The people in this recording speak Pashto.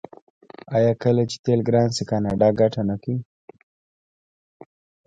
آیا کله چې تیل ګران شي کاناډا ګټه نه کوي؟